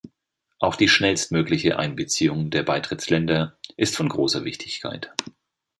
Auch die schnellstmögliche Einbeziehung der Beitrittsländer ist von großer Wichtigkeit.